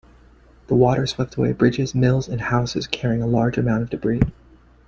The water swept away bridges, mills and houses, carrying a large amount of debris.